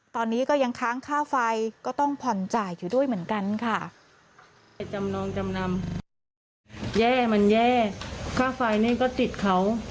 ตอนนี้ก็ยังค้างค่าไฟก็ต้องผ่อนจ่ายอยู่ด้วยเหมือนกันค่ะ